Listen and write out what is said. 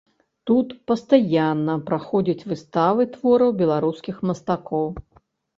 Тут пастаянна праходзяць выставы твораў беларускіх мастакоў.